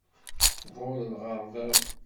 Tḍul lɣerba-w.